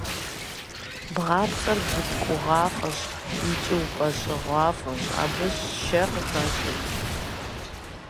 Бдзапцӏэр гъэткӏугъуафӏэщ икӏи упӏэщӏыгъуафӏэщ, абы шэ къыхащӏыкӏ.